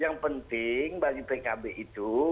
yang penting bagi pkb itu